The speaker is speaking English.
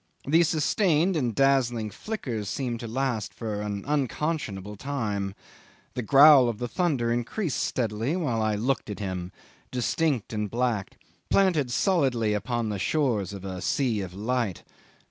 The sustained and dazzling flickers seemed to last for an unconscionable time. The growl of the thunder increased steadily while I looked at him, distinct and black, planted solidly upon the shores of a sea of light.